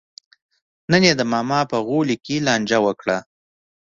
نن یې د ماما په غولي کې لانجه وکړه.